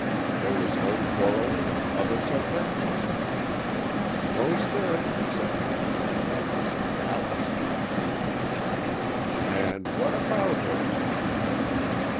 "There was no quarrelling on other subjects?" "No, sir, except now and then about Mrs. Dallas." "And what about her?"